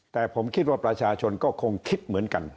แต่ผมคิดว่าประชาชนก็คงคิดเหมือนกัน